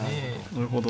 なるほど。